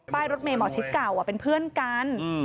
รถเมย์หมอชิดเก่าเป็นเพื่อนกัน